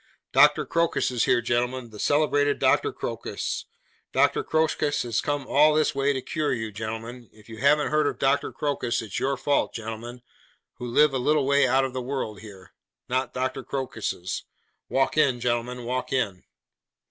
Doctor Crocus is here, gentlemen, the celebrated Dr. Crocus! Dr. Crocus has come all this way to cure you, gentlemen. If you haven't heard of Dr. Crocus, it's your fault, gentlemen, who live a little way out of the world here: not Dr. Crocus's. Walk in, gentlemen, walk in!